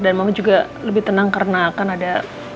dan mama juga lebih tenang karena kan ada